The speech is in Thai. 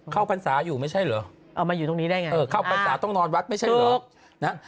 ๒เข้าพรรษาอยู่ไม่ใช่หรอเข้าพรรษาต้องนอนวัดไม่ใช่หรอ